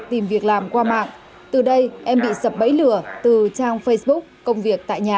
tìm việc làm qua mạng từ đây em bị sập bấy lửa từ trang facebook công việc tại nhà